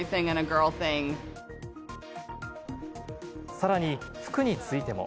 さらに、服についても。